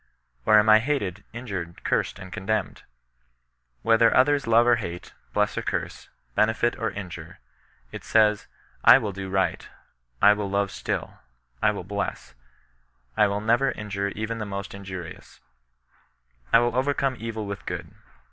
Or am I hated, injured; cursed and contemned ?" Whether others love or hate, bless or curse, benefit or injure, it says, " I will do right ; I will love still ; I will bless ; I will never injure even the most injurious; I will overcome evil with good."